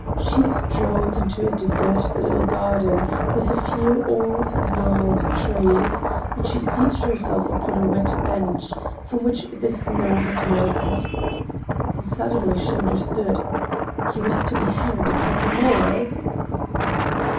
She strolled into a deserted little garden with a few old, gnarled trees, and she seated herself upon a wet bench, from which the snow had melted. And suddenly she understood. He was to be hanged upon the morrow!